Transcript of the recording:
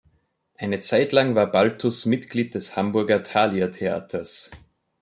Eine Zeitlang war Baltus Mitglied des Hamburger Thalia Theaters.